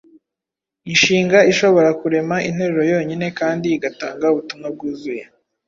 Inshinga ishobora kurema interuro yonyine kandi igatanga ubutumwa bwuzuye.